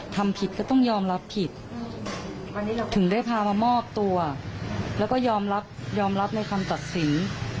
ทำผิดก็ต้องยอมรับผิดถึงได้พามามอบตัวแล้วก็ยอมรับยอมรับในคำตัดสิน